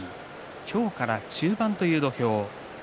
今日から中盤という土俵。